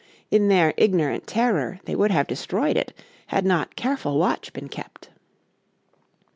In their ignorant terror they would have destroyed it had not careful watch been kept.